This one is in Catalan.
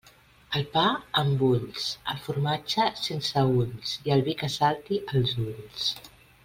El pa amb ulls, el formatge sense ulls i el vi que salti als ulls.